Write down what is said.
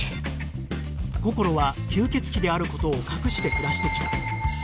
こころは吸血鬼である事を隠して暮らしてきた